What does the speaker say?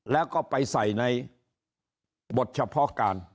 แล้วก็ไปใส่ในบทเฉพาะการ